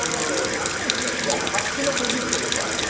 恐らく白紙の小切手でしょう。